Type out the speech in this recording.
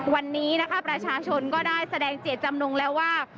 วันนี้นะคะประชาชนก็ได้แสดงเจตจำนงแล้วว่า